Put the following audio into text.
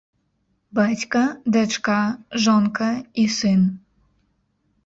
Бацька, дачка, жонка і сын.